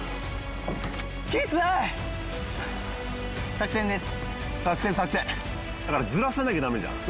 作戦です